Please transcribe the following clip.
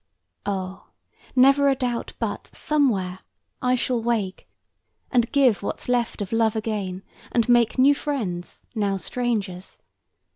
Oh, never a doubt but, somewhere, I shall wake, And give what's left of love again, and make New friends, now strangers.